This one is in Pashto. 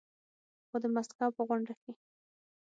خو د ماسکو په غونډه کې